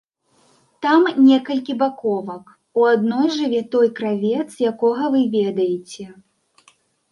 Там некалькі баковак, у адной жыве той кравец, якога вы ведаеце.